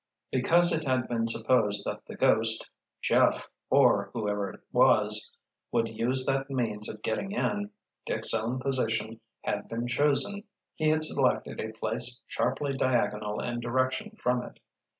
Because it had been supposed that the "ghost"—Jeff—or whoever it was, would use that means of getting in, Dick's own position had been chosen. He had selected a place sharply diagonal in direction from it.